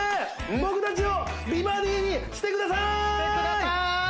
僕たちを美バディにしてくださーい！